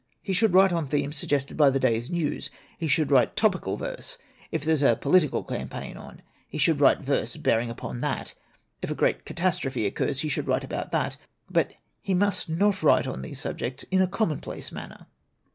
"He should write on themes suggested by the day's news. He should write topical verse; if there is a political campaign on, he should write verse bearing upon that; if a great catastrophe occurs, he should write about that, but he must not write on these subjects in a commonplace manner.